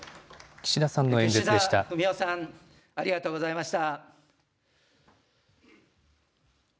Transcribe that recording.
岸田文雄さん、ありがとうございました。